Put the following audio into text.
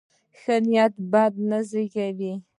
ښه نیت بد نه زېږوي.